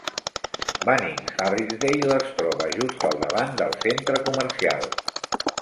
Bunnings Harrisdale es troba just al davant del centre comercial.